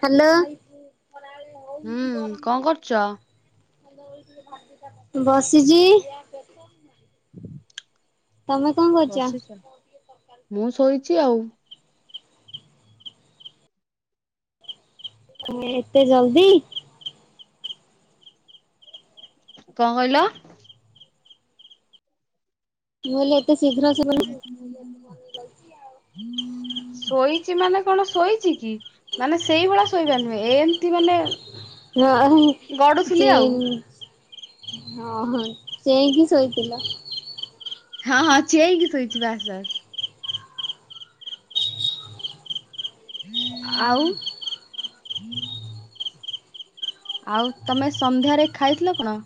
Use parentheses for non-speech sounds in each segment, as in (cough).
Hello. ହୁଁ କଣ କରୁଛ? ବସିଚି। ତମେ କଣ କରୁଚ? ବସିଛ, ମୁଁ ଶୋଇଛି ଆଉ। ତମେ ଏତେ ଜଲଦି? କଣ କହିଲ? ମୁଁ କହିଲି ଏତେ ଶୀଘ୍ର ଶୋଇବନା କଣ। (unintelligible) ଶୋଇଛି ମାନେ କଣ ଶୋଇଛି କି। ମାନେ ସେଇଭଳିଆ ଶୋଇବା ନୁହେଁ ଏମିତି ମାନେ ନାଇ ଗଡୁଥିଲି ଆଉ। ଜିନଜ ହଁ ହଁ ଚେଇଁକି ଶୋଇଥିଲା। ହଁ ହଁ ଚେଇଁକି ଶୋଇଚି ବାସ୍ ବାସ୍। ଆଉ। ଆଉ ତମେ ସନ୍ଧ୍ୟାରେ ଖାଇଥିଲ କଣ?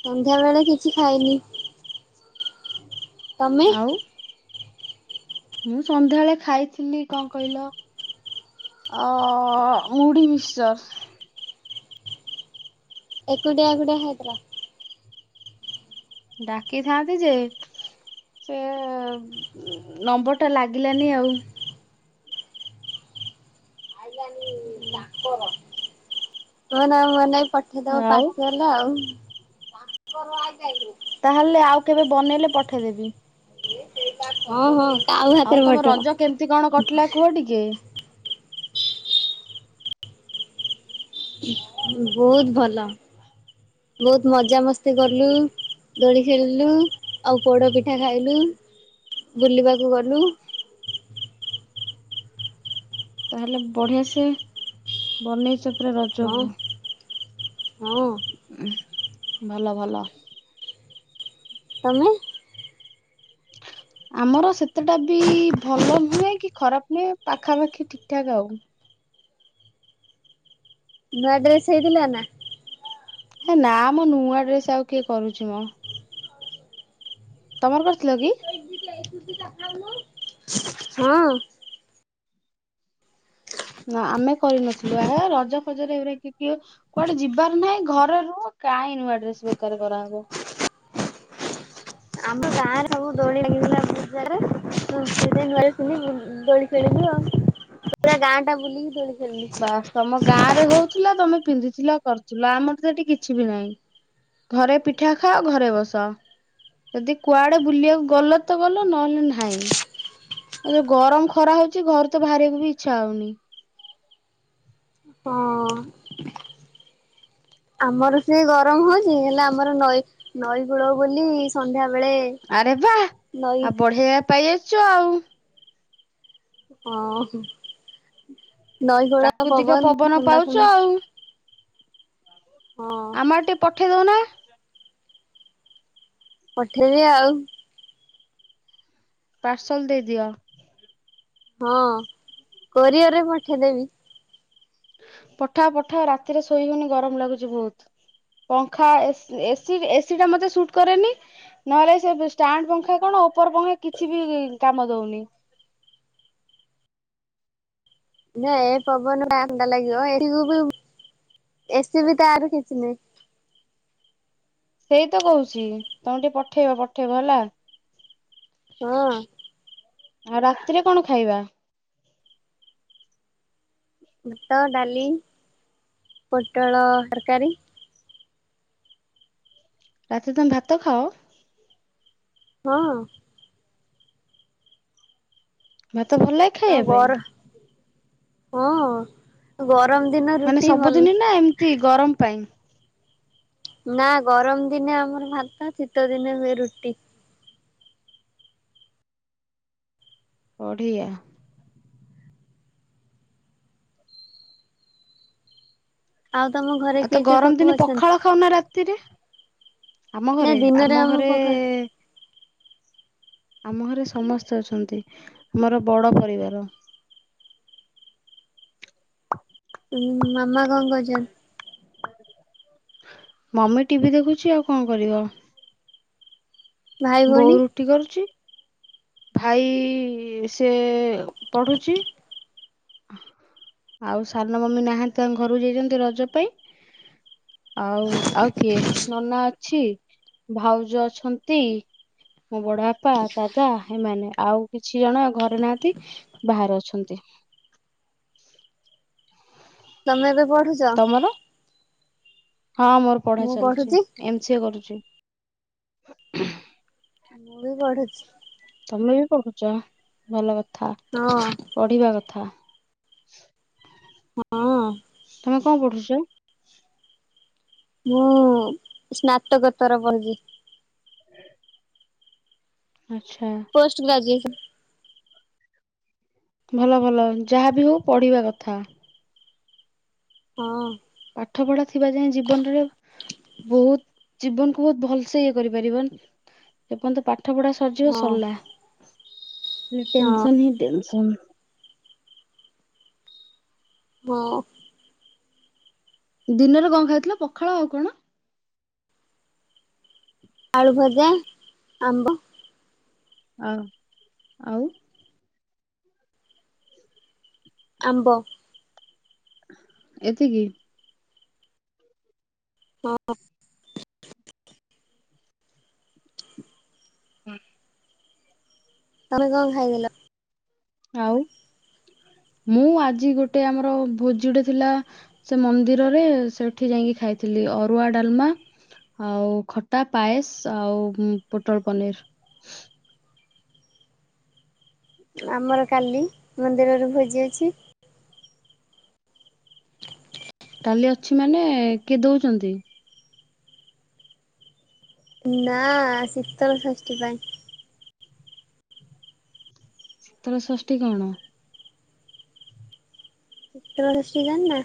ସନ୍ଧ୍ୟାବେଳେ କିଛି ଖାଇନି। ତମେ? ଆଉ? ମୁଁ ସନ୍ଧ୍ୟାବେଳେ ଖାଇଥିଲି କଣ କହିଲ ଅ ଅ ମୁଢି ମିକ୍ସଚର। ଏକୁଟିଆ ଏକୁଟିଆ ଖାଇଦେଲ? ଡାକିଥାନ୍ତି ଯେ ସେ ନମ୍ବର ଟା ଲାଗିଲାନି ଆଉ। ଆଇଲାନି ତାଙ୍କର। ମୋ ନାଁ ମୋ ନାଇଁ ପଠେଇଦବ ଆଉ ପାର୍ଶଲ ଆଉ। ତାହେଲେ ଆଉ କେବେ ବନେଇଲେ ପଠେଇଦେବି। ହଁ ହଁ। କାଉ ହାତରେ ଆଉ ତମ ପଠେଇବ ରଜ କେମିତି କଣ କଟିଲା କୁହ ଟିକେ? ବହୁତ ଭଲ ବହୁତ ମଜା ମସ୍ତି କଲୁ। ଦୋଳି ଖେଳିଲୁ ଆଉ ପୋଡ଼ ପିଠା ଖାଇଲୁ ବୁଲିବାକୁ ଗଲୁ। ତାହେଲେ ବଢିଆ ସେ ବନେଇଚ ହଁ ହଁ। ଭଲ ଭଲ। ତମେ? ଆମର ସେତେଟା ବି ଭଲ ନୁହେଁ କି ଖରାପ ନୁହେଁ ପାଖାପାଖି ଠିକ୍ ଠାକ୍ ଆଉ। ନୂଆ ଡ୍ରେସ ହେଇଥିଲା ନା? ହେ ନା ମ ନୂଆ ଡ୍ରେସ ଆଉ କିଏ କରୁଚି ମ। ତମର କରିଥିଲ କି? (inaudible) ହଁ। ନା ଆମେ କରିନଥିଲୁ ହେ ରଜ ଫଜରେ ଏଭା କି କିଏ କୁଆଡେ ଯିବାର ନାହିଁ ଘରେ ରୁହ କାଇଁ ନୂଆ ଡ୍ରେସ ବେକାର କରାହବ। ଆମ ଗାଁରେ ସବୁ ଦୋଳି ଲାଗିଥିଲା। ସେ ନୂଆ ଡ୍ରେସ ପିନ୍ଧିବୁ ଦୋଳି ଖେଳିବୁ ଆଉ ପୁରା ଗାଁ ଟା ବୁଲିକି ଦୋଳି ଖେଳିଲୁ। ବାସ୍ ତମ ଗାଁରେ ହୋଉଥିଲା ତମେ ପିନ୍ଧୂଥିଲ କରୁଥିଲ ଆମର ତ ଏଠି କିଛି ବି ନାହିଁ ଘରେ ପିଠା ଖାଅ ଘରେ ବସ। ଯଦି କୁଆଡେ ବୁଲିବାକୁ ଗଲ ତ ଗଲ ନହେଲେ ନାହିଁ ଏ ଯୋଉ ଗରମ ଖରା ହଉଚି ଘରୁ ତ ବାହାରିବାକୁ ବି ଇଚ୍ଛା ହଉନି। ହଁ। ଆମର ସେଇ ଗରମ ହଉଚି ହେଲେ ଆମର ନଈ ନଈ କୂଳ ବୋଲି ସନ୍ଧ୍ୟାବେଳେ ଆରେ ବାଃ ଆଉ ବଢିଆ ଯାଗା ପାଇ ଯାଇଚୁ ଆଉ। ହଁ ହଁ ନଈକୂଳ ପ୍ରାକୃତିକ ପବନ ଥଣ୍ଡା ପାଉଛ ଥଣ୍ଡା। ଆଉ। ହଁ। ଆଉ ଟିକେ ପଠେଇ ଦୋଉନ? ପଠେଇବି ଆଉ। ପାର୍ସଲ ଦେଇଦିଅ। ହଁ କୋରିଅର ରେ ପଠେଇଦେବି। ପଠାଅ ପଠାଅ ରାତିରେ ଶୋଇହଉନି ଗରମ ଲାଗୁଚି ବହୁତ। ପଙ୍ଖା ଏସ୍ ଏସ୍ ଏସି ଟା ମତେ ସୁଟ୍ କରେନି ନହେଲେ ସେ ଷ୍ଟାଣ୍ଡ ପଙ୍ଖା କଣ ଉପର ପଙ୍ଖା କିଛି ବି ଇ କାମ ଦଉନି। ନା ଏ ପବନ ଥଣ୍ଡା ଲାଗିବ (unintelligible) ଏସ ବି ତ ଆରୁ କିଛି ନାହିଁ। ସେଇ ତ କହୁଛି ତମେ ଟିକେ ପଠେଇବ ପଠେଇବ ହେଲା। ହଁ। ଆଉ ରାତିରେ କଣ ଖାଇବା? ଭାତ, ଡାଲି, ପୋଟଳ ତରକାରୀ। ରାତିରେ ତମେ ଭାତ ଖାଅ? ହଁ। ଭାତ ଭଲ ଲାଗେ? ଆଉ ଖାଇବା ପାଇଁ ଗର ହଁ ଗରମ ଦିନ ରୁଟି ଭଲ ତି ଗରମ ପାଇଁ। ନା ଗରମ ଦିନେ ଆମର ଭାତ ଶୀତ ଦିନେ ହୁଏ ରୁଟି। ବଢ଼ିଆ। ଆଉ ତମ ଘ ଆଉ ତ ଗରମ ଦିନେ ପଖାଳ ଖାଉନ ରାତିରେ ଆମ ନା ଘରେ ଦିନରେ ଆମ ଘରେ ପଖାଳ ଏ ଆମ ଘରେ ସମସ୍ତେ ଅଛନ୍ତି ଆମର ବଡ଼ ପରିବାର। ଉମ ମାମା କଣ କରୁଛନ୍ତି? ମମି ଟିଭି ଦେଖୁଚି ଆଉ କଣ କରିବ। ଭାଇ ବୋଉ ଭଉଣୀ? ରୁଟି କରୁଛି ଭାଇ ସେ ଏ ପଢୁଚି। ଆଉ ସାନ ମମି ନାହାନ୍ତି ତାଙ୍କ ଘରକୁ ଯାଇଛନ୍ତି ରଜ ପାଇଁ ଆଉ ଆଉ କିଏ ନନା ଅଛି। ଭାଉଜ ଅଛନ୍ତି। ମୋ ବଡ ବାପା ଦାଦା ଏମାନେ ଆଉ କିଛି ଜଣ ଘରେ ନାହାନ୍ତି ବାହାରେ ଅଛନ୍ତି। ତମେ ଏବେ ପଢୁଚ? (unintelligible) ହଁ ମୋର ପଢା ମୁଁ ଚାଲିଛି ପଢୁଛି ଏମ ସି ଏ କରୁଛି। ମୁଁ ବି ପଢୁ ତମେ ବି ପଢୁଚ ଭଲ କଥା। ହଁ। ପଢ଼ିବା କଥା। ହଁ ତମେ କଅଁ ପଢୁଚ? ମୁଁ ସ୍ନାତକତର କରୁଚି। (unintelligible) ଆଛା। Post graduation. ଭଲ ଭଲ ଯାହାବି ହଉ ପଢିବା କଥା। ହଁ। ପାଠ ପଢା ଥିବା ଯାଏଁ ଜୀବନରେ ବହୁତ ଜୀବନ କୁ ବହୁତ ଭଲସେ ଇଏ କରିପାରିବ। ଏପର୍ଯ୍ୟନ୍ତ ପାଠ ପଢା ସରିଜିବ ହଁ ସରିଲା ଖାଲି ହଁ ଟେନସନ୍ ହିଁ ଟେନସନ୍। ହଁ। ଦିନରେ କଣ ଖାଇଥିଲ ପଖାଳ ଆଉ କଣ? ଆଳୁ ଭଜା ଆମ୍ବ। ଆଁ ଆଉଁ। ଆମ୍ବ। ଏତିକିି? ହଁ। କଣ? ତମେ କଣ ଖାଇଦଥିଲ? ଆଉ ମୁଁ ଆଜି ଗୋଟେ ଆମର ଭୋଜି ଗୋଟେ ଥିଲା। ସେ ମନ୍ଦିରରେ ସେଠି ଯାଇକି ଖାଇଥିଲି ଅରୁଆ ଡାଲମା ଆଉ ଖଟା ପାଏସ ଆଉ ପୋଟଳ ପନିର। ଆମର କାଲି ମନ୍ଦିରରେ ଭୋଜି ଅଛି। କାଲି ଅଛି। ମାନେ କିଏ ଦଉଛନ୍ତି? ନାଁ ଶୀତଳ ଷଷ୍ଠୀ ପାଇଁ ଶୀତର ଷଷ୍ଠୀ କଣ? ଶୀତଳ ଷଷ୍ଠି ଜାଣି ନାଁ?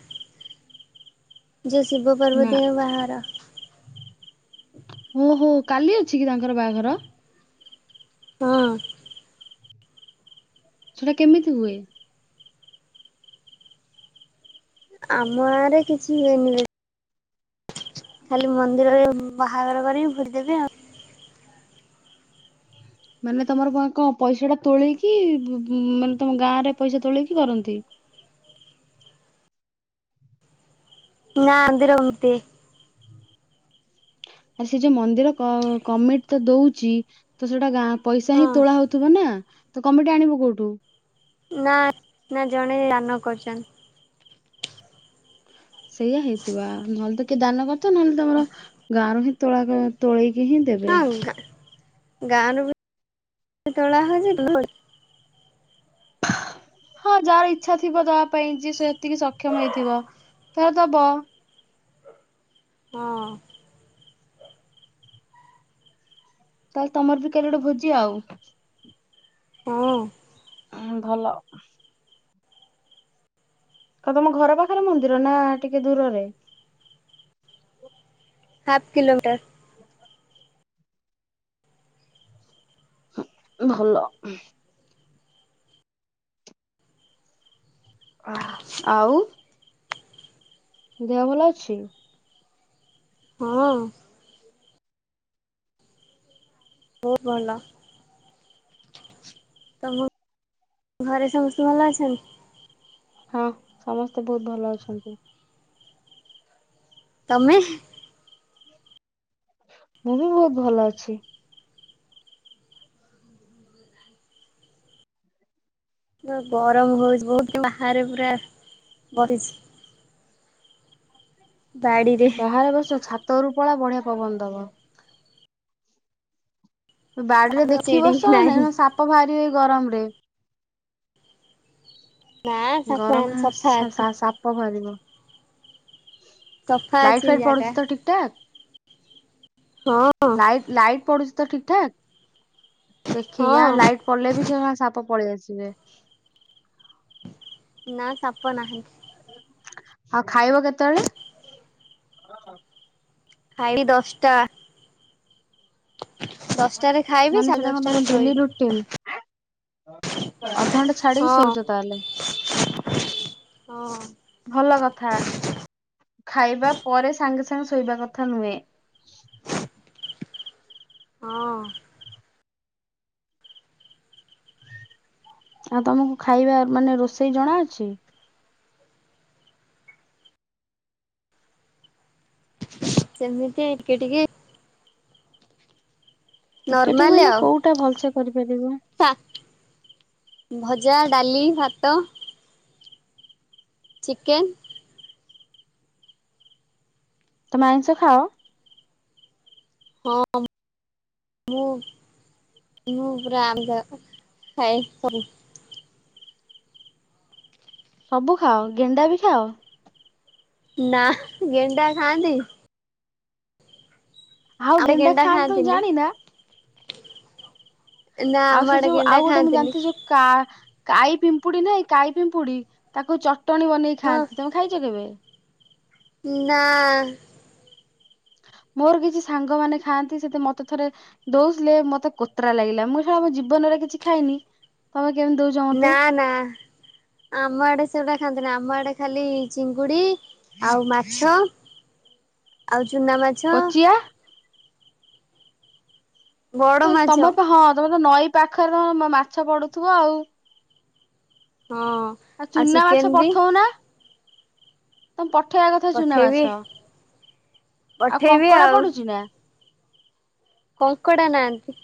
ଯୋଉଁ ଶିବ ନା ପ୍ରାର୍ବତିଙ୍କ ବାହାଘର। ହୁଁ ହୁଁ। କାଲି ଅଛି କି ତାଙ୍କର ବାହାଘର। ହଁ। ସେଟା କେମିତି ହୁଏ? ଆମ ଆଡେ କିଛି ହୁଏନି ଭାଇ ଖାଲି ମନ୍ଦିରରେ ବାହାଘର କରିକି ଭୋଜି ଦେବେ ଆଉ। ମାନେ ତମର କଣ ଙ୍କ ପଇସା ଟା ତୋଳେଇକି ବ୍ ମାନେ ତମ ଗାଁ ରେ ପଇସା ତୋଳେଇକି କରନ୍ତି। ନାଁ ମନ୍ଦିର ମୃତ୍ତି। ଆ ସେ ଯୋଉଁ ମନ୍ଦିର କଁ କମିଟି ଟା ଦଉଛି ତ ସେଇଟା ଗାଁ ପଇସା ହଁ ହିଁ ତୋଳା ହଉଛି। ଥିବ ନାଁ ତ କମିଟି ଆଣିବ କୋଉଠୁଁ? ନାଁ। ନା ଜଣେ ଦାନ କରିଛନ୍ତୀ। ସେଇୟଆ ହେଇଥିବ ଆଁ ନହେଲେ ତ କିଏ ଦାନ କରିଥିବ ନହେଲେ ତାଙ୍କର ଗାଁରୁ ହିଁ ତୋଳା ତୋଳେଇକି ହିଁ ଦେବେ। ଗାଁ ରୁ ବି ତୋଳା ହଛି ଧୂପ ହଁ ଯାହାର ଇଚ୍ଛା ଥିବ ତା ପାଇଁ ଯିଏ ସେ ସେତିକି ସକ୍ଷମ ହେଇଥିବ ତାହେଲେ ଦବ। ହଁ। ତାହେଲେ ତମର ବି କାଲି ଗୋଟେ ଭୋଜି ଆଉଁ। ହଁ ହଁ ଭଲ। ଆଉ ତମ ଘର ପାଖରେ ମନ୍ଦିର ନାଁ ଟିକେ ଦୂରରେ। Half kilometre. ହ ହଁ ଭଲ। ଆଃହଃ ଆଉଁ। ଦେହ ଭଲ ଅଛି? ହଁ। ବହୁତ ଭଲ। ତମ ଘରେ ସମସ୍ତେ ଭଲ ଅଛନ୍ତି। ହଁ ସମସ୍ତେ ବହୁତ ଭଲ ଅଛନ୍ତି ତମେ? ମୁଁ ବି ବହୁତ୍ ଭଲ ଅଛି। ଗରମ ହଉଚି ବହୁତ୍ ବାହାରେ ପୁରା ବଇଚି। (unintelligible) ବାହାର ବସ ଛାତଉପରକୁ ପଳା ବଢିଆ ପବନ ଦବ। ବାଡିରେ ଦେଖି ସିଡି ବସ, ନାହିଁ ନେଉଳ ସାପ ବାହାରିବେ ଏଇ ଗରମରେ। ନା ସାପ ଗରମ ସଫା ସା ଅଛି। ସା ସାପ ବାହାରିବ। ସଫା ଲାଇଟ ଅଛି ଫାଇଟ୍ ଜାଗା ପଡୁଚି ତ ଠିକ୍ ଠାକ୍? ହଁ। ଲାଇଟ୍ ପଡୁଚି ତ ଠିକ୍ ଠାକ୍? ଦେଖିକି ଆଁ ହଁ ଲାଇଟ୍ ପଡିଲେ ବି ସେ ସାପ ପଳେଇଆସିବେ। ନା ସାପ ନାହାଁନ୍ତି। ଆଉ ଖାଇବ କେତେବେଳେ? ଖାଇବି ଦଶଟା। ଦଶଟାରେ ଖାଇବି ମାନେ ସାଢେ ସେଇଟା କଣ ତମ ଦଶଟାରେ ଡେଲି ଶୋଇବି ରୁଟିନ୍? ଅଧଘଣ୍ଟେ ଛାଡିକି ହଁ ଶୋଉଚ ତାହେଲେ? (inaudible) ହଁ। ଭଲ କଥା। ଖାଇବା ପରେ ସାଙ୍ଗେ ସାଙ୍ଗେ ଶୋଇବା କଥା ନୁହେଁ। ହଁ। ଆଉ ତମକୁ ଖାଇବା ମାନେ ରୋଷେଇ ଜଣା ଅଛି? ସେମିତି ଟିକେ ଟିକେ। ଟିକେ ଟିକେ ନର୍ମାଲ ମାନେ ଆଉ। କୋଉଟା ଭଲସେ କରିପାରିବ? ଭଜା, ଡାଲି, ଭାତ। ଚିକେନ୍। ତମେ ଆଇଁଷ ଖାଅ? ହ। ମୁଁ ମୁଁ ପୁରା ଆମିଷ ଖାଏ ସବୁ। ସବୁ ଖାଅ ଗେଣ୍ଡା ବି ଖାଅ? ନା। ଗେଣ୍ଡା ଖାଆନ୍ତି? ଆଉ ଆଡେ ଗେଣ୍ଡା ଖାଆନ୍ତି ତମେ ଖାଆନ୍ତିନି ଜାଣିନା? ନା ଆଉ ଆମ ସେ ଆଡେ ଯୋଉ ଗେଣ୍ଡା ଆଉ ଗୋଟେ ମୁଁ ଖାଆନ୍ତିନି ଜାଣିଚି ଯଉ କା କାଇ ପିମ୍ପୁଡି ନାଇଁ କାଇ ପିମ୍ପୁଡି ତାକୁ ଚଟଣି ବନେଇକି ହଁ ଖାଆନ୍ତି। ତମେ ଖାଇଚ କେବେ? ନା। ମୋର କିଛି ସାଙ୍ଗ ମାନେ ଖାଆନ୍ତି। ସେ ମତେ ଥରେ ଦଉଥିଲେ ମତେ କୋତରା ଲାଗିଲା। ମୁଁ ସଳା କେବେ ଜୀବନରେ କିଛି ଖାଇନି, ତମେ କେମିତି ଦଉ ନା ନା। ଆମ ଆଡେ ସେଗୁଡା ଖାଆନ୍ତିନି। ଆମ ଆଡେ ଖାଲି ଚିଙ୍ଗୁଡି ଆଉ ମାଛ ଆଉ ଚୁନା ମା କୋଚିଆ? ବଡ ମାଛ ତମର ହଁ ତମେ ତ ନଈ ପାଖରେ ରହ ମାଛ ପଡୁଥିବ ଆଉ। ହଁ ଆ ଆଉ ଚୁନା ଚିକେନ ମାଛ ବି ପଠଉନା। ତମେ ପଠେଇବା କଥା ଚୁନା ପଠେଇବି ମାଛ ଆଉ ପଠେଇବି କଙ୍କଡ଼ା ଆଉ ପଡୁଛି ନା କଙ୍କଡ଼ା ନାହାନ୍ତି।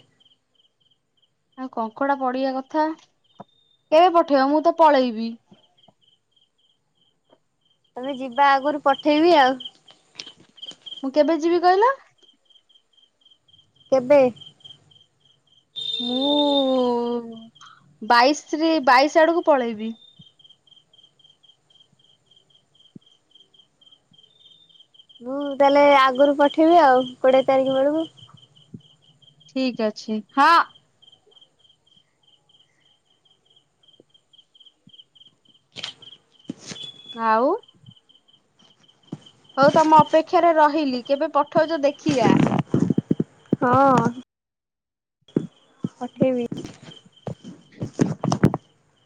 ଆଉ କଙ୍କଡା ପଡିବା କଥା କେବେ ପଠେଇବ ମୁଁ ତ ପଳେଇବି। ତମେ ଯିବା ଆଗରୁ ପଠେଇବି ଆଉ। ମୁଁ କେବେ ଯିବି କହିଲ? କେବେ ମୁଁ ବାଇଶରେ ବାଇଶ ଆଡକୁ ପଳେଇବି। ମୁଁ ଦେଲେ ଆଗରୁ ପଠେଇବି ଆଉ କୋଡିଏ ତାରିଖ ବେଳକୁ। ଠିକ ଅଛି ହଁ। ଆଉ ହଉ ତମ ଅପେକ୍ଷାରେ ରହିଲି କେବେ ପଠଉଛ ଦେଖିବା। ହଁ। ପଠେଇବି।